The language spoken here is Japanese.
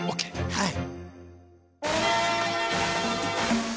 はい！